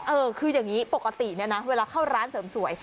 เออคืออย่างนี้ปกติเนี่ยนะเวลาเข้าร้านเสริมสวย